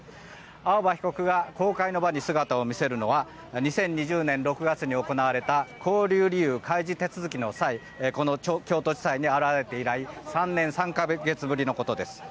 青葉被告が公開の場に姿を見せるのは２０２０年６月に行われた勾留理由開示の際この京都地裁に現れて以来３年３か月ぶりのことです。